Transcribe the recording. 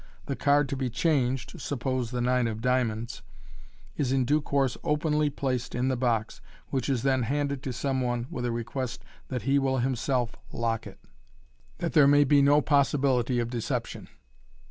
The card to be changed (suppose the nine of diamonds) is in due course openly placed in the box, which is then handed to some one with a request that he will himself lock it, that there may be no possibility of deception.